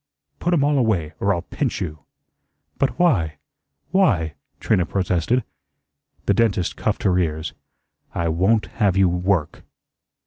Put 'em all away, or I'll pinch you." "But why why?" Trina protested. The dentist cuffed her ears. "I won't have you work."